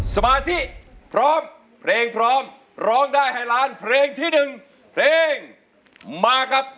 สมาธิพร้อมเพลงพร้อมร้องได้ให้ล้านเพลงที่๑เพลงมาครับ